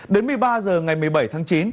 đến một mươi ba h ngày một mươi bảy tháng chín